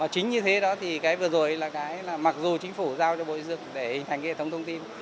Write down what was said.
chính vì thế mặc dù chính phủ giao cho bộ xây dựng để hình thành hệ thống thông tin